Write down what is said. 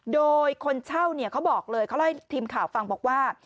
โดยคนเช่าเนี่ยเขาบอกเลยเขาเล่าให้ทีมข่าวฟังบอกว่า